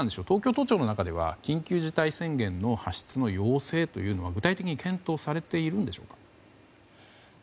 東京都庁の中では緊急事態宣言の発出の要請というのは具体的に検討されているんでしょうか？